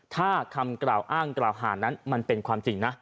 ถ้าคำกล่าวอ้างกล่าวหานั้นมันเป็นความจริงนะ